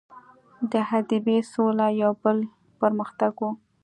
د حدیبې سوله یو بل پر مختګ وو.